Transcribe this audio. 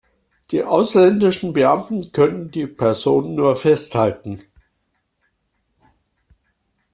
Die ausländischen Beamten können die Person nur festhalten.